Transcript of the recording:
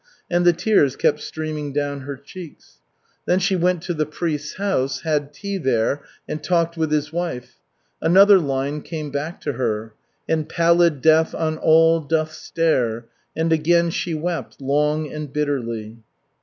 And the tears kept streaming down her cheeks. Then she went to the priest's house, had tea there, and talked with his wife. Another line came back to her: "And pallid death on all doth stare," and again she wept, long and bitterly.